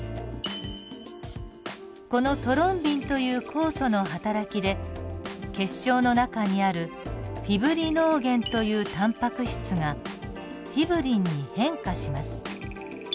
このトロンビンという酵素のはたらきで血しょうの中にあるフィブリノーゲンというタンパク質がフィブリンに変化します。